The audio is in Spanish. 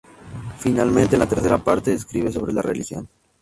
Finalmente, en la tercera parte, escribe sobre la religión.